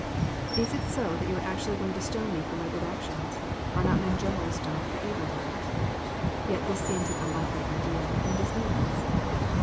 *' Is it so that you are actually going to stone Me for good actions ? Are not men generally stoned for evil doings ?" Yet this seems an un likely idea, and is needless.